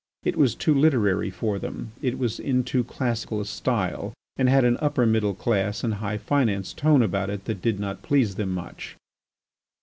It was too literary for them, it was in too classical a style, and had an upper middle class and high finance tone about it that did not please them much.